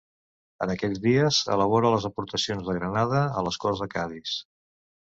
En aquells dies elabora les aportacions de Granada a les Corts de Cadis.